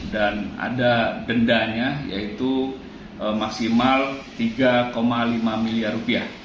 dan ada dendanya yaitu maksimal rp tiga lima miliar